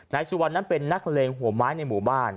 นายสุวรรณนั้นเป็นนักเลงหัวไม้ในหมู่บ้าน